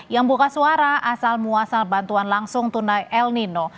yang buka suara asal muasal bantuan langsung tunai el nino